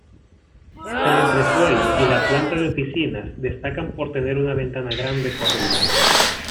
El entresuelo y la planta de oficinas destacan por tener una ventana grande corrida.